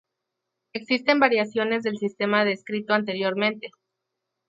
Existen variaciones del sistema descrito anteriormente.